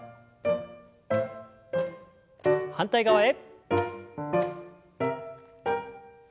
反対側へ。